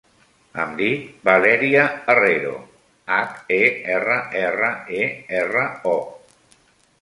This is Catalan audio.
Em dic Valèria Herrero: hac, e, erra, erra, e, erra, o.